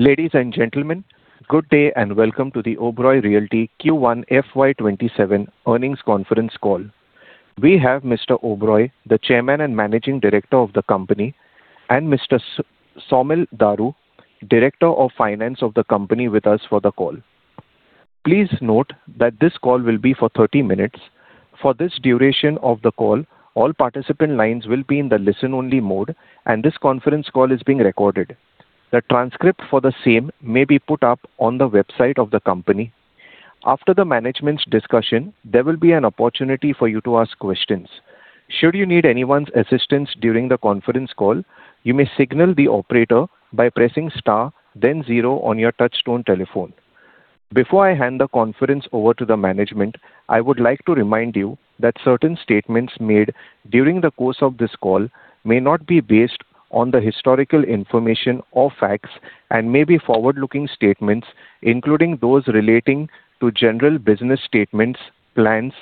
Ladies and gentlemen, good day and welcome to the Oberoi Realty Q1 FY 2027 earnings conference call. We have Mr. Oberoi, the Chairman and Managing Director of the company, and Mr. Saumil Daru, Director of Finance of the company, with us for the call. Please note that this call will be for 30 minutes. For this duration of the call, all participant lines will be in the listen-only mode, and this conference call is being recorded. The transcript for the same may be put up on the website of the company. After the management's discussion, there will be an opportunity for you to ask questions. Should you need anyone's assistance during the conference call, you may signal the operator by pressing star then zero on your touchtone telephone. Before I hand the conference over to the management, I would like to remind you that certain statements made during the course of this call may not be based on the historical information or facts and may be forward-looking statements, including those relating to general business statements, plans,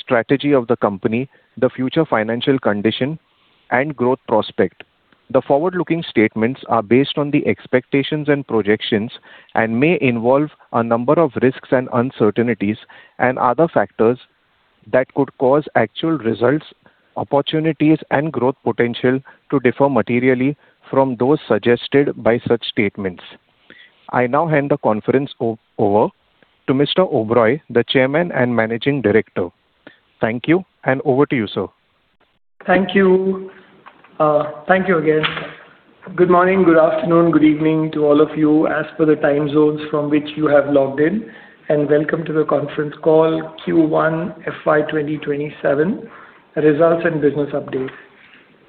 strategy of the company, the future financial condition, and growth prospect. The forward-looking statements are based on the expectations and projections and may involve a number of risks and uncertainties and other factors that could cause actual results, opportunities, and growth potential to differ materially from those suggested by such statements. I now hand the conference over to Mr. Oberoi, the Chairman and Managing Director. Thank you, over to you, sir. Thank you. Thank you again. Good morning, good afternoon, good evening to all of you as per the time zones from which you have logged in. Welcome to the conference call Q1 FY 2027 results and business update.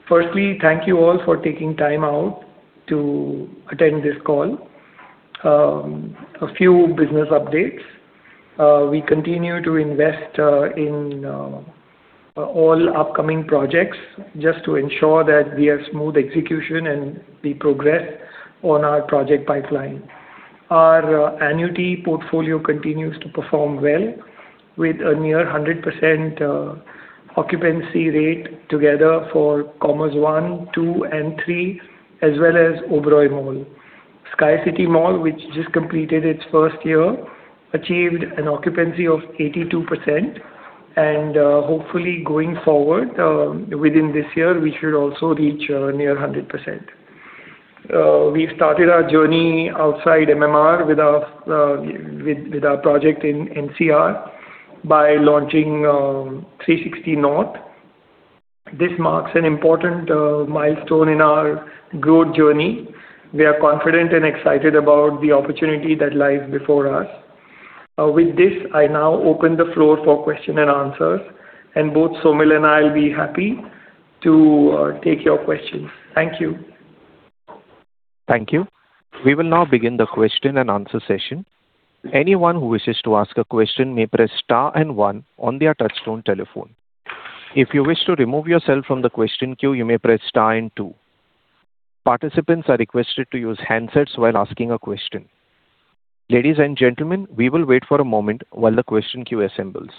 Firstly, thank you all for taking time out to attend this call. A few business updates. We continue to invest in all upcoming projects just to ensure that we have smooth execution and we progress on our project pipeline. Our annuity portfolio continues to perform well with a near 100% occupancy rate together for Commerz I, II, and III, as well as Oberoi Mall. Sky City Mall, which just completed its first year, achieved an occupancy of 82%, and hopefully going forward, within this year, we should also reach near 100%. We've started our journey outside MMR with our project in NCR by launching 360 North. This marks an important milestone in our growth journey. We are confident and excited about the opportunity that lies before us. With this, I now open the floor for question and answers, and both Saumil and I will be happy to take your questions. Thank you. Thank you. We will now begin the question and answer session. Anyone who wishes to ask a question may press star and one on their touchtone telephone. If you wish to remove yourself from the question queue, you may press star and two. Participants are requested to use handsets while asking a question. Ladies and gentlemen, we will wait for a moment while the question queue assembles.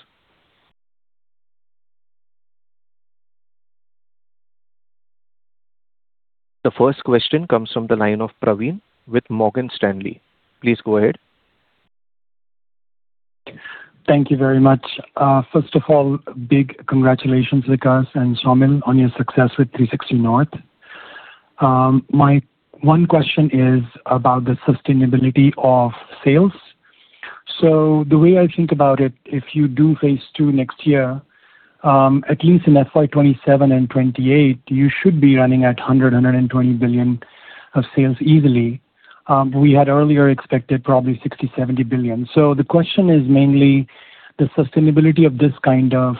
The first question comes from the line of Praveen with Morgan Stanley. Please go ahead. Thank you very much. First of all, big congratulations, Vikas and Saumil, on your success with 360 North. My one question is about the sustainability of sales. The way I think about it, if you do phase II next year, at least in FY 2027 and 2028, you should be running at 100 billion-120 billion of sales easily. We had earlier expected probably 60 billion-70 billion. The question is mainly the sustainability of this kind of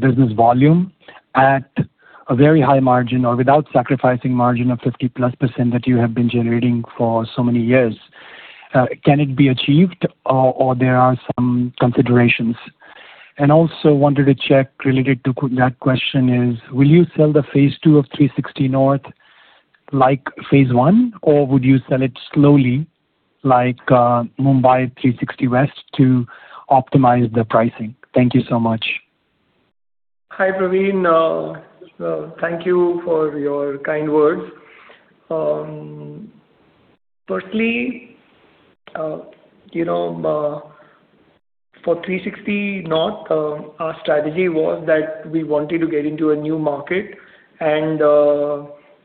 business volume at a very high margin or without sacrificing margin of 50%+ that you have been generating for so many years. Can it be achieved, or there are some considerations? Also wanted to check related to that question is, will you sell the phase II of 360 North like phase I, or would you sell it slowly, like Three Sixty West to optimize the pricing? Thank you so much. Hi, Praveen. Thank you for your kind words. Firstly, for 360 North, our strategy was that we wanted to get into a new market,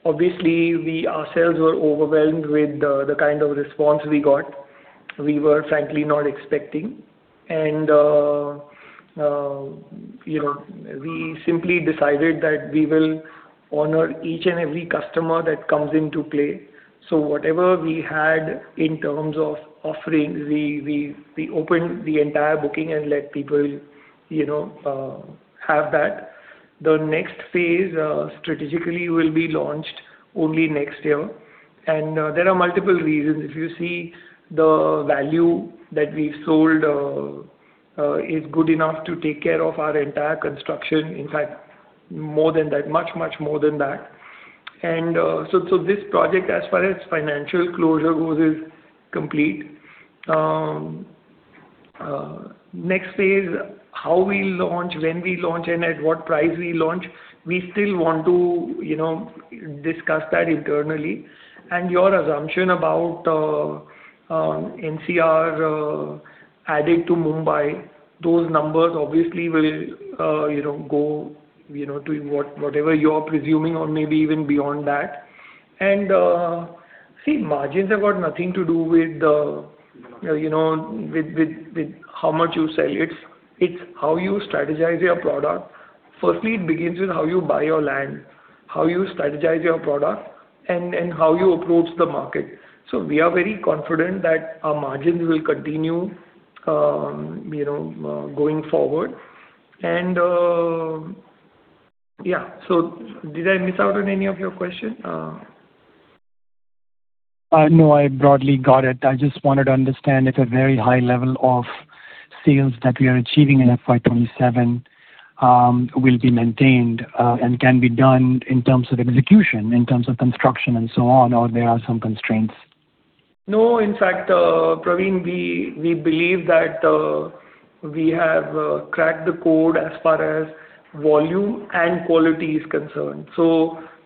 obviously we ourselves were overwhelmed with the kind of response we got. We were frankly not expecting, we simply decided that we will honor each and every customer that comes into play. Whatever we had in terms of offerings, we opened the entire booking and let people have that. The next phase, strategically, will be launched only next year. There are multiple reasons. If you see the value that we've sold is good enough to take care of our entire construction. In fact, more than that. Much more than that. This project, as far as financial closure goes, is complete. Next phase, how we launch, when we launch, and at what price we launch, we still want to discuss that internally. Your assumption about NCR added to Mumbai, those numbers obviously will go to whatever you're presuming or maybe even beyond that. See, margins have got nothing to do with how much you sell. It's how you strategize your product. Firstly, it begins with how you buy your land, how you strategize your product, and how you approach the market. We are very confident that our margins will continue going forward. Yeah. Did I miss out on any of your question? I broadly got it. I just wanted to understand if a very high level of sales that we are achieving in FY 2027 will be maintained and can be done in terms of execution, in terms of construction, and so on, or there are some constraints. In fact, Praveen, we believe that we have cracked the code as far as volume and quality is concerned.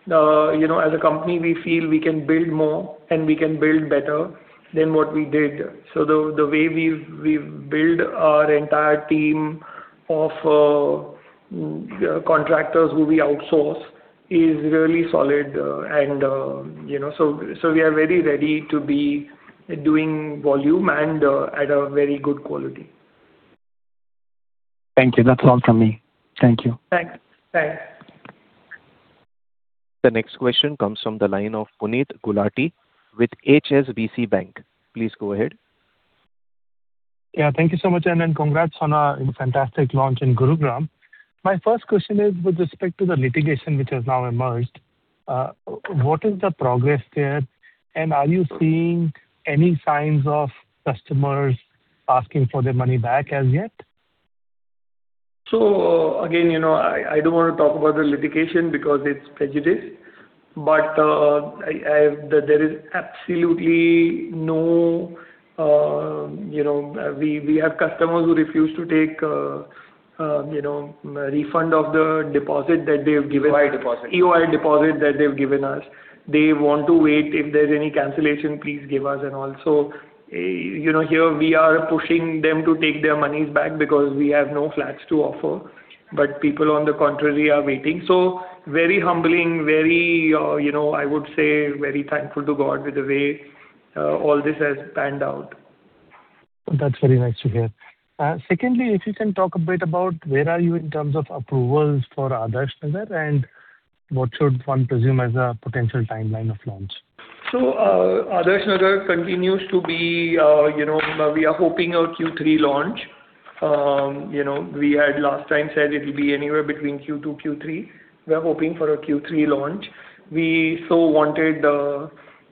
As a company, we feel we can build more, and we can build better than what we did. The way we've built our entire team of contractors who we outsource is really solid. We are very ready to be doing volume and at a very good quality. Thank you. That's all from me. Thank you. Thanks. The next question comes from the line of Puneet Gulati with HSBC Bank. Please go ahead. Yeah, thank you so much, then congrats on a fantastic launch in Gurugram. My first question is with respect to the litigation which has now emerged. What is the progress there? Are you seeing any signs of customers asking for their money back as yet? Again, I don't want to talk about the litigation because it's sub judice. There is absolutely we have customers who refuse to take a refund of the deposit that they've given- EOI deposit. EOI deposit that they've given us. They want to wait, if there's any cancellation, please give us and all. Here we are pushing them to take their monies back because we have no flats to offer. People, on the contrary, are waiting. Very humbling, I would say very thankful to God with the way all this has panned out. That's very nice to hear. Secondly, if you can talk a bit about where are you in terms of approvals for Adarsh Nagar, and what should one presume as a potential timeline of launch? Adarsh Nagar continues to be, we are hoping a Q3 launch. We had last time said it'll be anywhere between Q2, Q3. We are hoping for a Q3 launch. We so wanted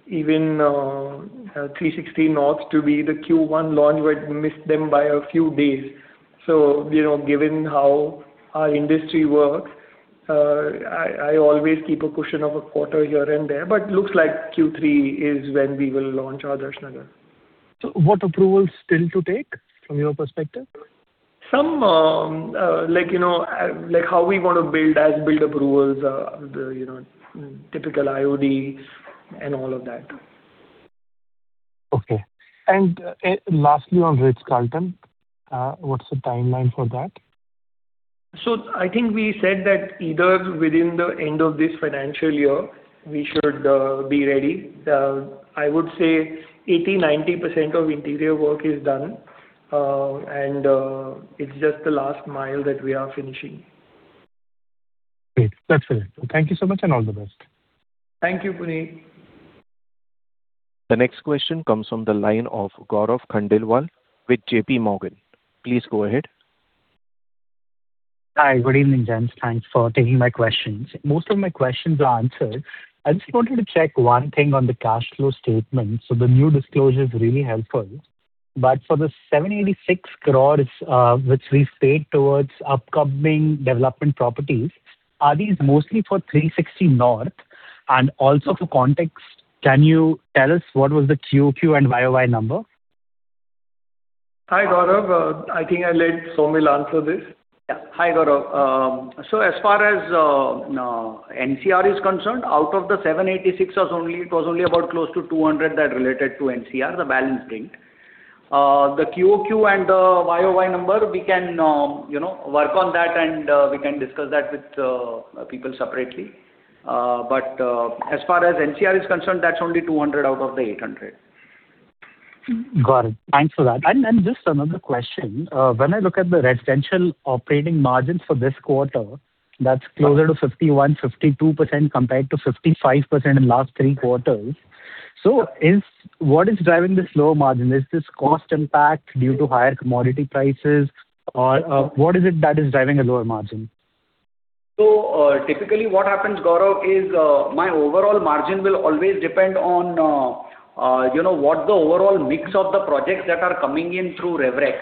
even 360 North to be the Q1 launch, but missed them by a few days. Given how our industry works, I always keep a cushion of a quarter here and there, but looks like Q3 is when we will launch Adarsh Nagar. What approvals still to take from your perspective? Some, like how we want to build as build approvals, the typical IODs and all of that. Okay. Lastly on Ritz-Carlton, what's the timeline for that? I think we said that either within the end of this financial year we should be ready. I would say 80%, 90% of interior work is done. It's just the last mile that we are finishing. Great. That's it. Thank you so much and all the best. Thank you, Puneet. The next question comes from the line of Gaurav Khandelwal with JPMorgan. Please go ahead. Hi, good evening, gents. Thanks for taking my questions. Most of my questions are answered. The new disclosure is really helpful. For the 786 crore, which we've paid towards upcoming development properties, are these mostly for 360 North? Also for context, can you tell us what was the QoQ and YoY number? Hi, Gaurav. I think I'll let Saumil answer this. Yeah. Hi, Gaurav. As far as NCR is concerned, out of the 786 crore, it was only about close to 200 crore that related to NCR. The balance didn't. The QoQ and the YoY number, we can work on that and we can discuss that with people separately. As far as NCR is concerned, that's only 200 crore out of the 800 crore. Got it. Thanks for that. Just another question. When I look at the residential operating margins for this quarter, that's closer to 51%-52% compared to 55% in last three quarters. What is driving this low margin? Is this cost impact due to higher commodity prices? What is it that is driving a lower margin? Typically what happens, Gaurav, is my overall margin will always depend on what the overall mix of the projects that are coming in through Rev Rec.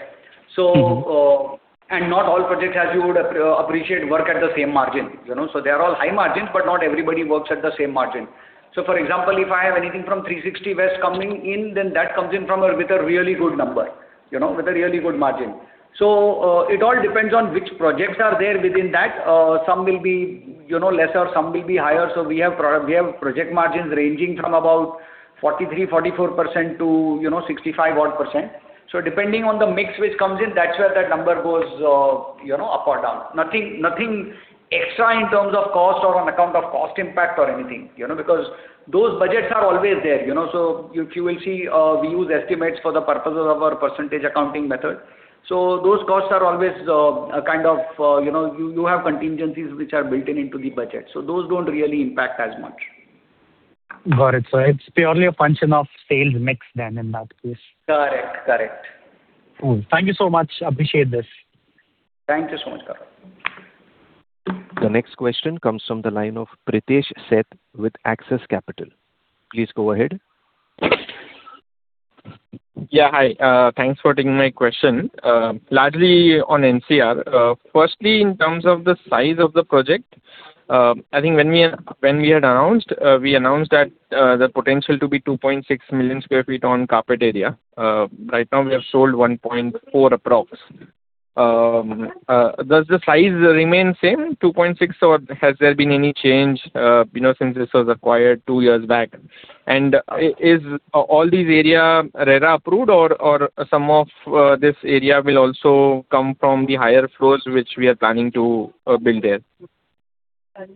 Not all projects, as you would appreciate, work at the same margin. They are all high margins, but not everybody works at the same margin. For example, if I have anything from Three Sixty West coming in, then that comes in with a really good number, with a really good margin. It all depends on which projects are there within that, some will be lesser, some will be higher. We have project margins ranging from about 43%-44% to odd-65%. Depending on the mix which comes in, that's where that number goes up or down. Nothing extra in terms of cost or on account of cost impact or anything, because those budgets are always there. If you will see, we use estimates for the purposes of our percentage accounting method. You have contingencies which are built into the budget, so those don't really impact as much. Got it. It's purely a function of sales mix then, in that case. Correct. Cool. Thank you so much. Appreciate this. Thank you so much. The next question comes from the line of Pritesh Sheth with Axis Capital. Please go ahead. Yeah, hi. Thanks for taking my question. Largely on NCR. Firstly, in terms of the size of the project, I think when we had announced, we announced that the potential to be 2.6 million sq ft on carpet area. Right now, we have sold 1.4 approx. Does the size remain same, 2.6 million sq ft? Has there been any change since this was acquired two years back? Is all this area RERA approved or some of this area will also come from the higher floors which we are planning to build there?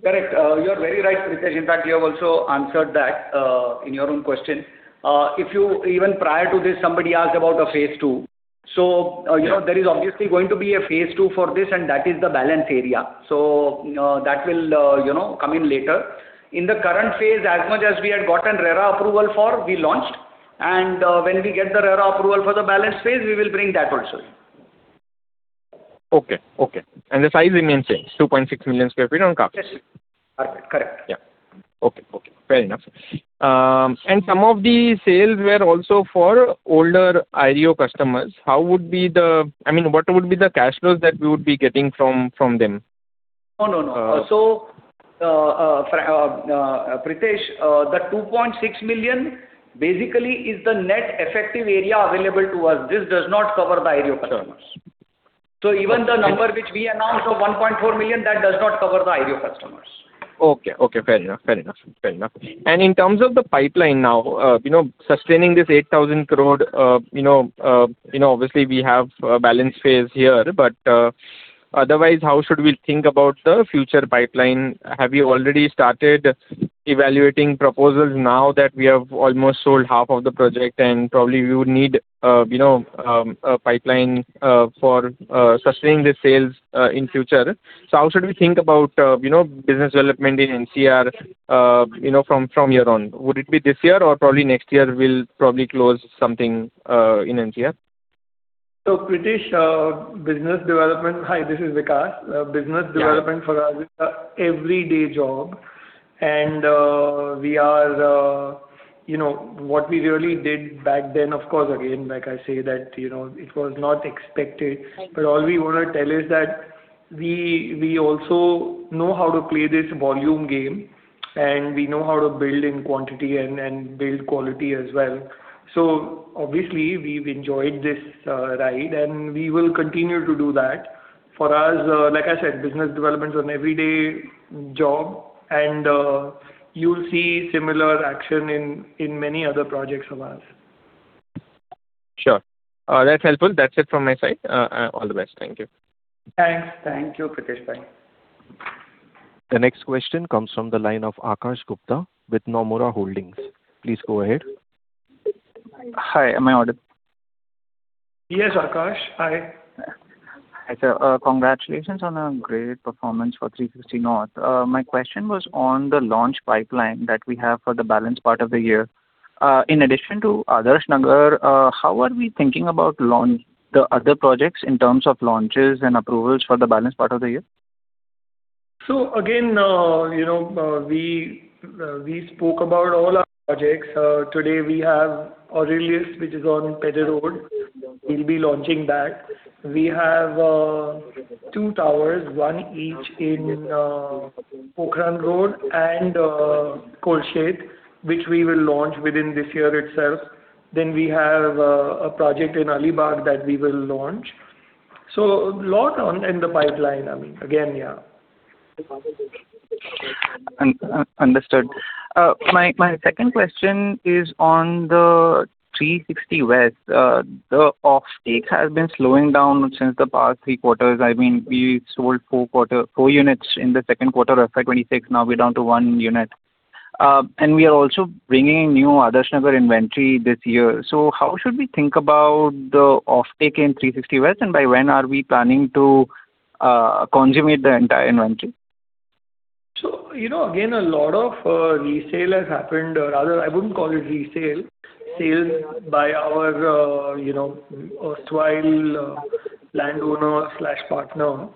Correct. You are very right, Pritesh. In fact, you have also answered that in your own question. Even prior to this, somebody asked about a phase II. Yeah. There is obviously going to be a phase II for this, and that is the balance area. That will come in later. In the current phase, as much as we had gotten RERA approval for, we launched, and when we get the RERA approval for the balance phase, we will bring that also. Okay. The size remains same, 2.6 million sq ft on carpet. Yes. Correct. Okay. Fair enough. Some of the sales were also for older Ireo customers. What would be the cash flows that we would be getting from them? No. Pritesh, the 2.6 million sq ft basically is the net effective area available to us. This does not cover the [Ireo customers]. Sure. Even the number which we announced of 1.4 million sq ft, that does not cover the Ireo customers. Okay, fair enough. In terms of the pipeline now, sustaining this 8,000 crore, obviously, we have a balance phase here, otherwise, how should we think about the future pipeline? Have you already started evaluating proposals now that we have almost sold half of the project and probably we would need a pipeline for sustaining the sales in future? How should we think about business development in NCR from here on? Would it be this year or probably next year we'll probably close something in NCR? Pritesh, hi, this is Vikas. Business development- Yeah. for us is a everyday job. What we really did back then, of course, again, like I say, that it was not expected. All we want to tell is that we also know how to play this volume game, and we know how to build in quantity and build quality as well. Obviously, we've enjoyed this ride, and we will continue to do that. For us, like I said, business development is an everyday job, and you'll see similar action in many other projects of ours. Sure. That's helpful. That's it from my side. All the best. Thank you. Thanks. Thank you, Pritesh Sheth. The next question comes from the line of Akash Gupta with Nomura Holdings. Please go ahead. Hi. Am I audible? Yes, Akash. Hi. Hi, sir. Congratulations on a great performance for 360 North. My question was on the launch pipeline that we have for the balance part of the year. In addition to Adarsh Nagar, how are we thinking about the other projects in terms of launches and approvals for the balance part of the year? Again, we spoke about all our projects. Today, we have Aurelius, which is on Peddar Road. We'll be launching that. We have two towers, one each in Pokhran Road and Kolshet, which we will launch within this year itself. We have a project in Alibaug that we will launch. A lot in the pipeline, again. Understood. My second question is on the Three Sixty West. The off take has been slowing down since the past three quarters. We sold four units in the second quarter of FY 2026, now we're down to one unit. We are also bringing new Adarsh Nagar inventory this year. How should we think about the off take in Three Sixty West, and by when are we planning to consummate the entire inventory? Again, a lot of resale has happened, or rather, I wouldn't call it resale. Sales by our erstwhile landowner/partner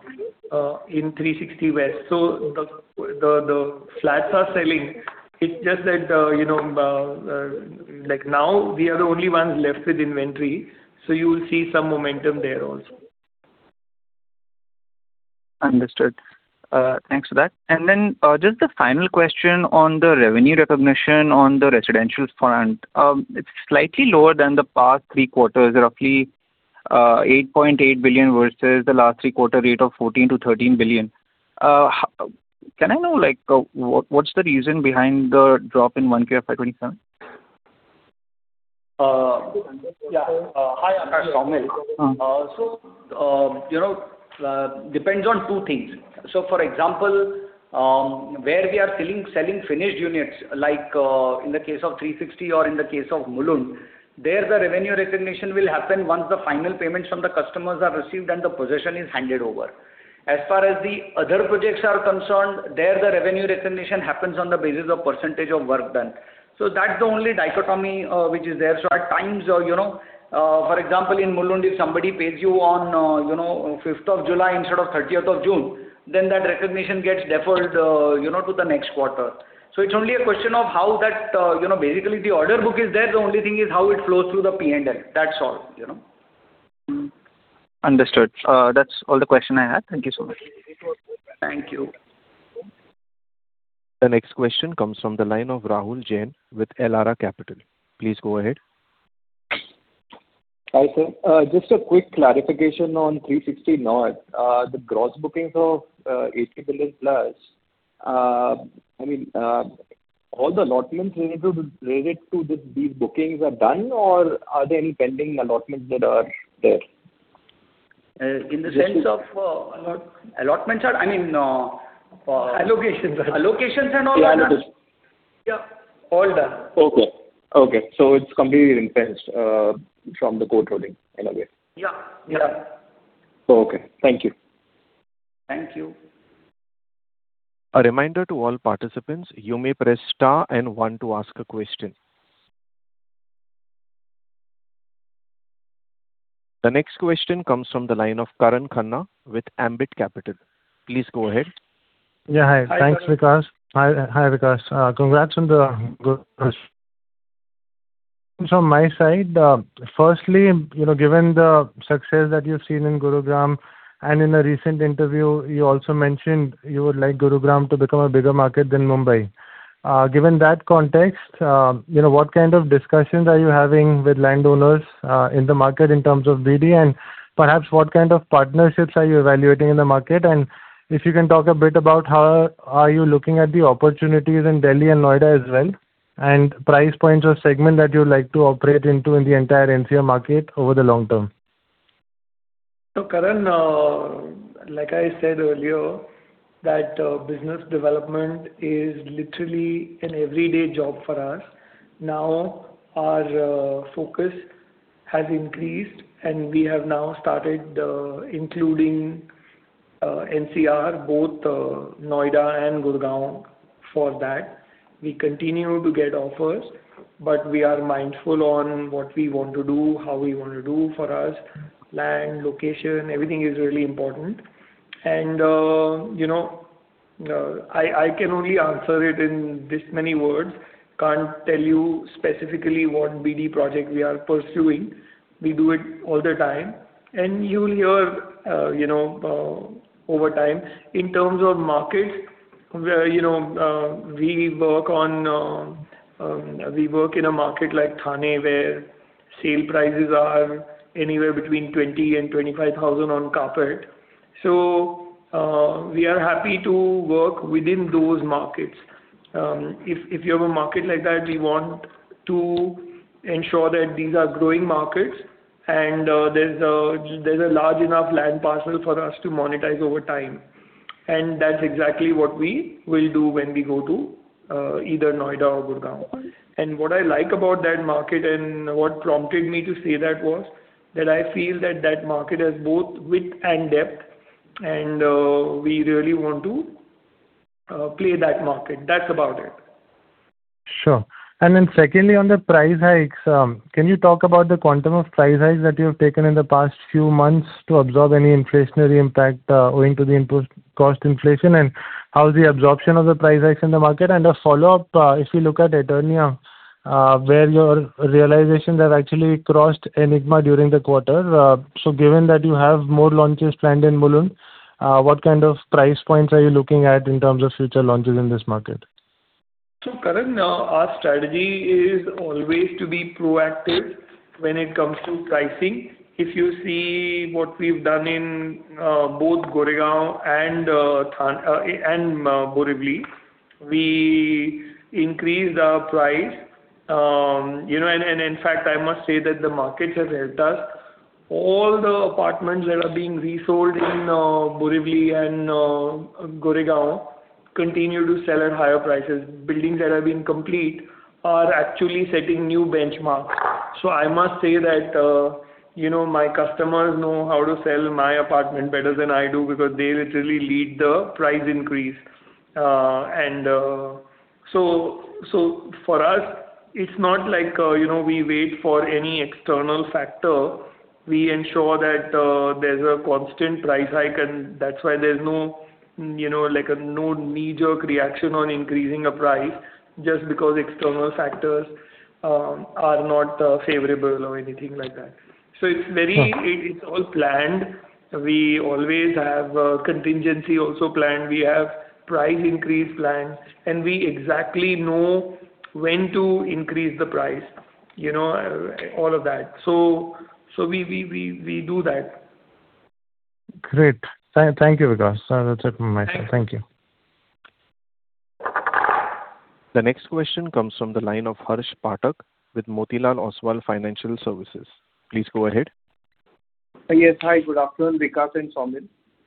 in Three Sixty West. The flats are selling. It's just that now we are the only ones left with inventory, so you will see some momentum there also. Just a final question on the revenue recognition on the residential front. It's slightly lower than the past three quarters, roughly 8.8 billion versus the last three quarter rate of 14 billion-13 billion. Can I know what's the reason behind the drop in 1Q of FY 2027? Yeah. Hi, Akash. Saumil. Depends on two things. For example, where we are selling finished units, like in the case of 360 or in the case of Mulund, there the revenue recognition will happen once the final payments from the customers are received and the possession is handed over. As far as the other projects are concerned, there the revenue recognition happens on the basis of percentage of work done. That's the only dichotomy which is there. At times, for example, in Mulund, if somebody pays you on 5th of July instead of 30th of June, then that recognition gets deferred to the next quarter. It's only a question of. Basically, the order book is there. The only thing is how it flows through the P&L. That's all. Understood. That's all the question I had. Thank you so much. Thank you. The next question comes from the line of Rahul Jain with Elara Capital. Please go ahead. Hi, sir. Just a quick clarification on 360 North. The gross bookings of 80+ billion. All the allotments related to these bookings are done or are there any pending allotments that are there? In the sense of, allotments are, I mean. Allocations. Allocations are all done. Yeah, allocations. Yeah, all done. Okay. it's completely encashed from the code routing in a way. Yeah. Okay. Thank you. Thank you. A reminder to all participants, you may press star and one to ask a question. The next question comes from the line of Karan Khanna with Ambit Capital. Please go ahead. Yeah, hi. Hi, Karan. Thanks, Vikas. Hi, Vikas. Congrats on the good from my side. Firstly, given the success that you've seen in Gurugram, in a recent interview, you also mentioned you would like Gurugram to become a bigger market than Mumbai. Given that context, what kind of discussions are you having with landowners in the market in terms of BD, and perhaps what kind of partnerships are you evaluating in the market? If you can talk a bit about how are you looking at the opportunities in Delhi and Noida as well, and price points or segment that you'd like to operate into in the entire NCR market over the long term. Karan, like I said earlier, that business development is literally an everyday job for us. Our focus has increased, and we have now started including NCR, both Noida and Gurugram, for that. We continue to get offers, but we are mindful on what we want to do, how we want to do for us. Land, location, everything is really important. I can only answer it in this many words. Can't tell you specifically what BD project we are pursuing. We do it all the time, and you'll hear over time. In terms of markets, we work in a market like Thane where sale prices are anywhere between 20,000 and 25,000 on carpet. We are happy to work within those markets. If you have a market like that, we want to ensure that these are growing markets, and there's a large enough land parcel for us to monetize over time. That's exactly what we will do when we go to either Noida or Gurugram. What I like about that market and what prompted me to say that was, that I feel that that market has both width and depth, and we really want to play that market. That's about it. Sure. Secondly, on the price hikes, can you talk about the quantum of price hikes that you have taken in the past few months to absorb any inflationary impact owing to the input cost inflation, and how is the absorption of the price hikes in the market? A follow-up, if you look at Eternia, where your realizations have actually crossed Enigma during the quarter. Given that you have more launches planned in Mulund, what kind of price points are you looking at in terms of future launches in this market? Karan, our strategy is always to be proactive when it comes to pricing. If you see what we've done in both Goregaon and Borivali, we increased our price. In fact, I must say that the markets have helped us. All the apartments that are being resold in Borivali and Goregaon continue to sell at higher prices. Buildings that have been complete are actually setting new benchmarks. I must say that my customers know how to sell my apartment better than I do because they literally lead the price increase. For us, it's not like we wait for any external factor. We ensure that there's a constant price hike, that's why there's no knee-jerk reaction on increasing a price just because external factors are not favorable or anything like that. It's all planned. We always have a contingency also planned. We have price increase planned, we exactly know when to increase the price, all of that. We do that. Great. Thank you, Vikas. That's it from my side. Thank you. The next question comes from the line of Harsh Pathak with Motilal Oswal Financial Services. Please go ahead. Yes. Hi, good afternoon, Vikas and Saumil.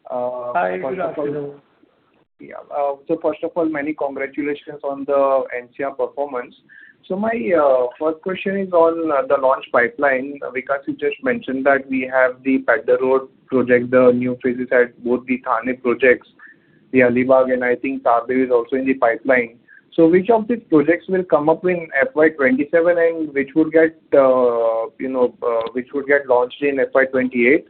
Hi, good afternoon. Yeah. First of all, many congratulations on the NCR performance. My first question is on the launch pipeline. Vikas, you just mentioned that we have the Peddar Road project, the new phases at both the Thane projects, the Alibaug, and I think Dadar is also in the pipeline. Which of these projects will come up in FY 2027 and which would get launched in FY 2028?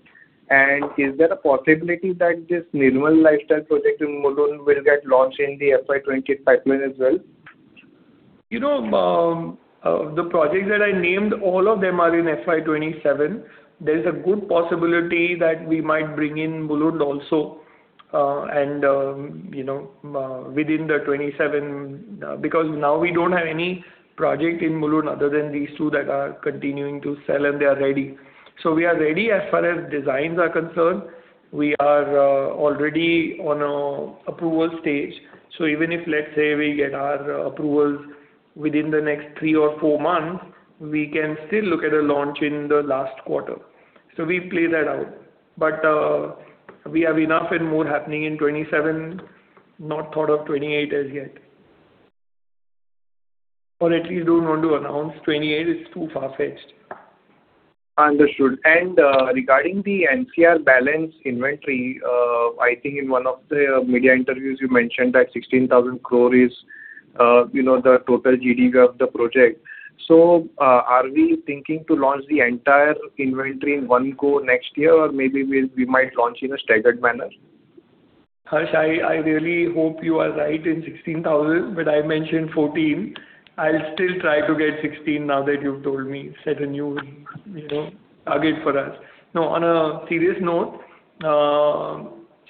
Is there a possibility that this Nirmal Lifestyle project in Mulund will get launched in the FY 2028 pipeline as well? The projects that I named, all of them are in FY 2027. There's a good possibility that we might bring in Mulund also within FY 2027, because now we don't have any project in Mulund other than these two that are continuing to sell, and they are ready. We are ready as far as designs are concerned. We are already on approval stage. Even if, let's say, we get our approvals within the next three or four months, we can still look at a launch in the last quarter. We play that out, but we have enough and more happening in FY 2027. Not thought of FY 2028 as yet. Or at least don't want to announce FY 2028. It's too far-fetched. Understood. Regarding the NCR balance inventory, I think in one of the media interviews you mentioned that 16,000 crore is the total GDV of the project. Are we thinking to launch the entire inventory in one go next year, or maybe we might launch in a staggered manner? Harsh, I really hope you are right in 16,000 crore, but I mentioned 14,000 crore. I'll still try to get 16,000 crore now that you've told me. Set a new target for us.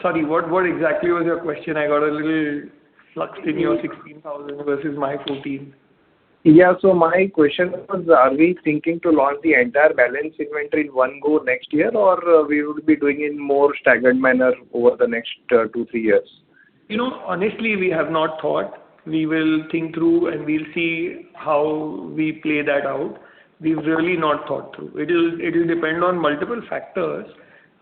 Sorry, what exactly was your question? I got a little fluxed in your 16,000 crore versus my 14,000 crore. Yeah, my question was, are we thinking to launch the entire balance inventory in one go next year, or we would be doing in more staggered manner over the next two, three years? Honestly, we have not thought. We will think through and we'll see how we play that out. We've really not thought through. It will depend on multiple factors.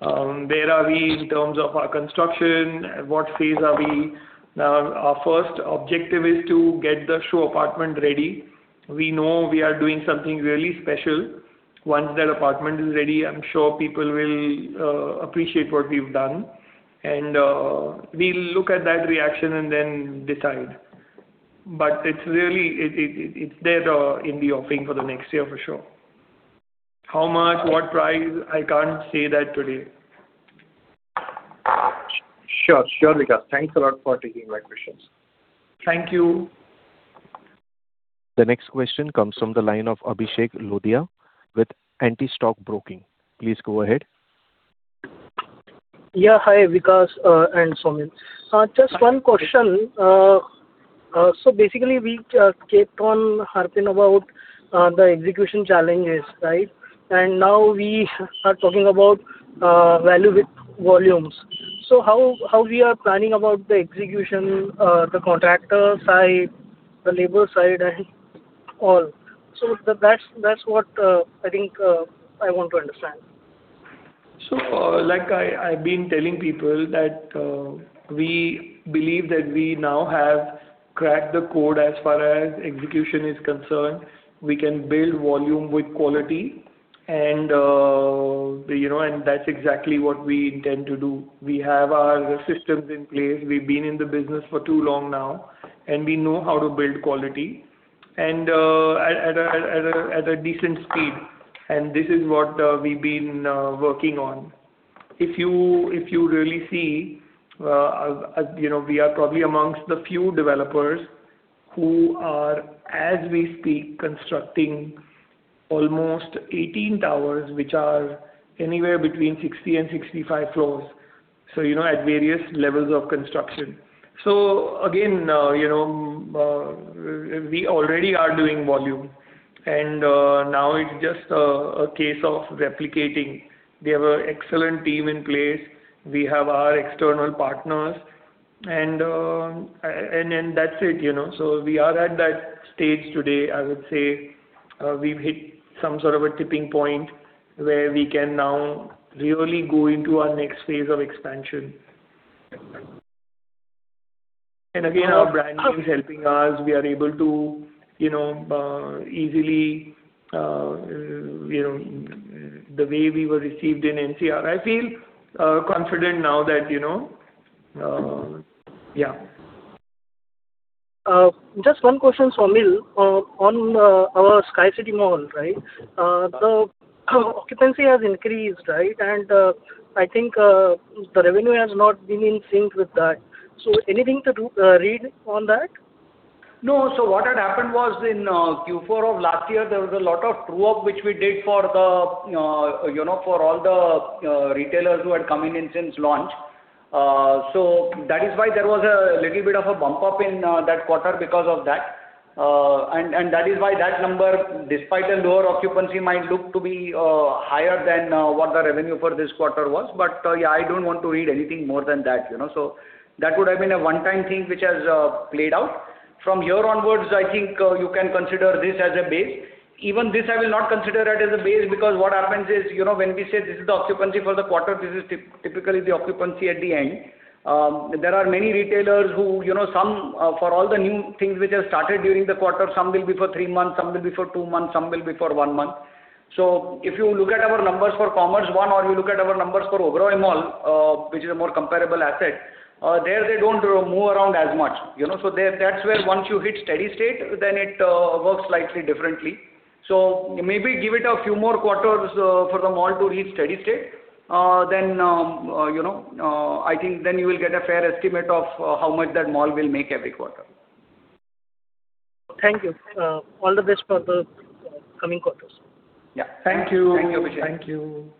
Where are we in terms of our construction? At what phase are we? Now our first objective is to get the show apartment ready. We know we are doing something really special. Once that apartment is ready, I'm sure people will appreciate what we've done. We'll look at that reaction and then decide. It's there in the offing for the next year, for sure. How much, what price? I can't say that today. Sure, Vikas. Thanks a lot for taking my questions. Thank you. The next question comes from the line of Abhishek Lodhiya with Antique Stock Broking. Please go ahead. Yeah. Hi, Vikas and Saumil. Just one question. Basically, we kept on harping about the execution challenges, right? Now we are talking about value with volumes. How we are planning about the execution, the contractor side, the labor side and all. That's what I think I want to understand. Like I've been telling people, that we believe that we now have cracked the code as far as execution is concerned. We can build volume with quality, that's exactly what we intend to do. We have our systems in place. We've been in the business for too long now, we know how to build quality, at a decent speed. This is what we've been working on. If you really see, we are probably amongst the few developers who are, as we speak, constructing almost 18 towers, which are anywhere between 60 and 65 floors, at various levels of construction. Again, we already are doing volume, now it's just a case of replicating. We have an excellent team in place. We have our external partners, that's it. We are at that stage today. I would say we've hit some sort of a tipping point where we can now really go into our next phase of expansion. Again, our brand is helping us. The way we were received in NCR, I feel confident now that Yeah. Just one question, Saumil, on our Sky City Mall. The occupancy has increased, and I think the revenue has not been in sync with that. Anything to read on that? No. What had happened was in Q4 of last year, there was a lot of true-up which we did for all the retailers who had come in since launch. That is why there was a little bit of a bump up in that quarter because of that. That is why that number, despite a lower occupancy, might look to be higher than what the revenue for this quarter was. I don't want to read anything more than that. That would have been a one-time thing which has played out. From here onwards, I think you can consider this as a base. Even this, I will not consider it as a base because what happens is, when we say this is the occupancy for the quarter, this is typically the occupancy at the end. There are many retailers who, for all the new things which have started during the quarter, some will be for three months, some will be for two months, some will be for one month. If you look at our numbers for Commerz I or you look at our numbers for Oberoi Mall, which is a more comparable asset, there they don't move around as much. That's where once you hit steady state, it works slightly differently. Maybe give it a few more quarters for the mall to reach steady state. I think you will get a fair estimate of how much that mall will make every quarter. Thank you. All the best for the coming quarters. Yeah. Thank you. Thank you. Thank you.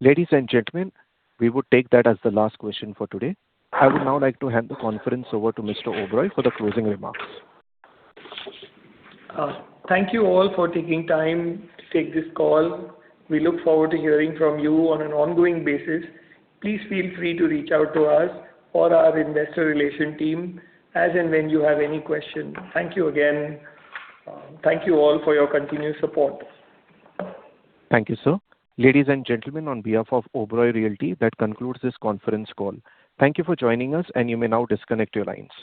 Ladies and gentlemen, we would take that as the last question for today. I would now like to hand the conference over to Mr. Oberoi for the closing remarks. Thank you all for taking time to take this call. We look forward to hearing from you on an ongoing basis. Please feel free to reach out to us or our investor relation team as and when you have any questions. Thank you again. Thank you all for your continued support. Thank you, sir. Ladies and gentlemen, on behalf of Oberoi Realty, that concludes this conference call. Thank you for joining us and you may now disconnect your lines.